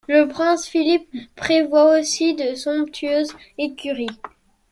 Le prince Philippe prévoit aussi de somptueuses écuries.